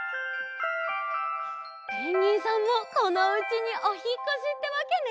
！？ペンギンさんもこのおうちにおひっこしってわけね！